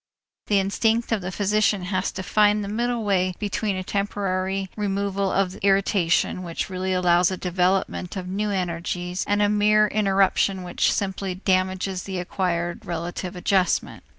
The instinct of the physician has to find the middle way between a temporary removal of irritation which really allows a development of new energies and a mere interruption which simply damages the acquired relative adjustment.